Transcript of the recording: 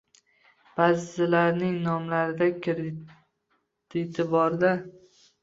Ba’zilarning nomlarida krediti borda.